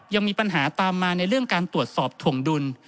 ยังมีปัญหาตามมาในเรื่องการตรวจสอบถวงดุล